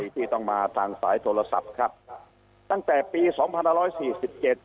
ที่ต้องมาทางสายโทรศัพท์ครับตั้งแต่ปีสองพันห้าร้อยสี่สิบเจ็ด